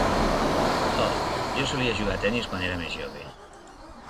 Oh, jo solia jugar a tennis quan era més jove.